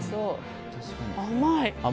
甘い！